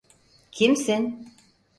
Kimsin?